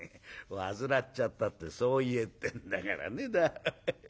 患っちゃったってそう言えってんだからね。